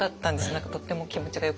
何かとっても気持ちがよくて。